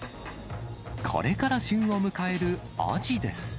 これから旬を迎えるアジです。